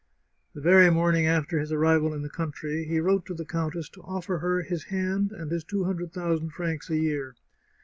The very morning after his arrival in the country he wrote to the countess to oflfer her his hand and his two hundred thousand francs a year.